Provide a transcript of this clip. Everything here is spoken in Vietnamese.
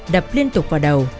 đập liên tục vào đầu